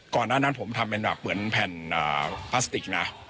ก่อนหน้านั้นผมทำเป็นแบบเหมือนแผ่นพลาสติกนะ